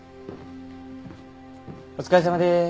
お疲れさまです。